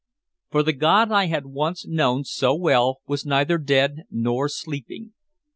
For the god I had once known so well was neither dead nor sleeping.